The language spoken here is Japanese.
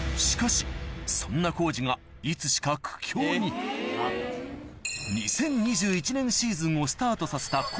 しかしそんなコージがいつしか苦境に２０２１年シーズンをスタートさせた